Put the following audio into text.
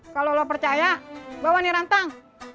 kalau lo percaya bawa nih rantang